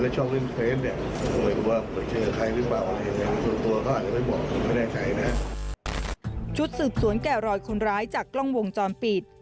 ชุดสืบสวนแก่รอยคนร้ายจากกล้องวงจรปิด